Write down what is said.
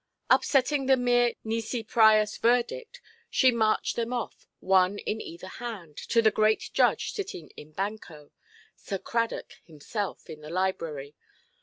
Upsetting the mere nisi prius verdict, she marched them off, one in either hand, to the great judge sitting in banco, Sir Cradock himself, in the library.